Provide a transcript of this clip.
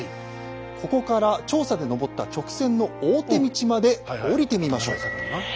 ここから調査でのぼった直線の大手道まで下りてみましょう。